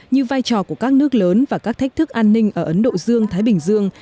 như vai trò của các nước lớn và các thách thức an ninh ở ấn độ dương thái bình dương